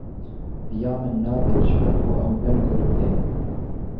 Bi ya min nabe ji ber ku ev ne li gorî te ye.